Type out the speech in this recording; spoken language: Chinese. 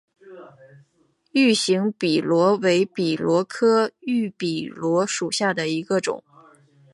芋形笔螺为笔螺科芋笔螺属下的一个种。